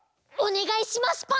おねがいします